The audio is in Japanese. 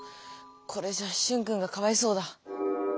これじゃシュンくんがかわいそうだ。